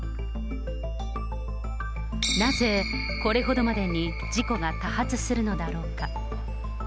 なぜこれほどまでに事故が多発するのだろうか。